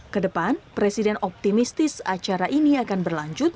kedepan presiden optimistis acara ini akan berlanjut